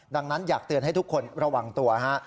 ดังนั้นอยากเตือนให้ทุกคนระวังตัวฮะ